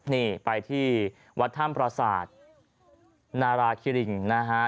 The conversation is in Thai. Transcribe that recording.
นี่ไปที่วัดถ้ำประสาทนาราคิริงนะฮะ